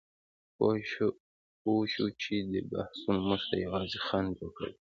پوهه شو چې دې بحثونو موږ ته یوازې خنډ جوړ کړی دی.